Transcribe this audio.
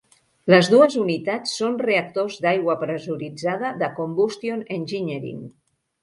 Les dues unitats són reactors d'aigua pressuritzada de Combustion Engineering.